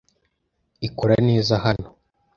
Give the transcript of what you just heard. Ikora neza hano.